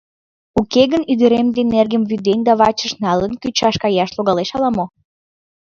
Уке гын, ӱдырем ден эргым вӱден да вачыш налын, кӱчаш каяш логалеш ала-мо?..